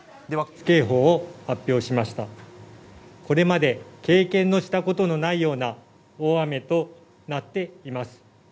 これまで経験のしたことのないような大雨となっています。